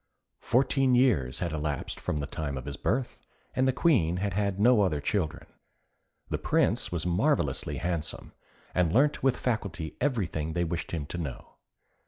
Fourteen years had elapsed from the time of his birth, and the Queen had had no other children. The Prince was marvellously handsome, and learnt with facility everything they wished him to know.